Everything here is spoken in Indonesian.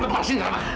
mas lepaskan mas